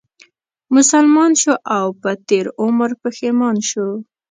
مسلمان شو او په تېر عمر پښېمان شو